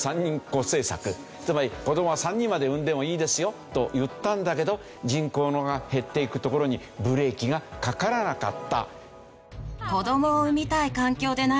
つまり子どもは３人まで産んでもいいですよと言ったんだけど人口が減っていくところにブレーキがかからなかった。